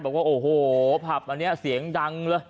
บอกว่าโอ้โหผับอันนี้เสียงดังเลย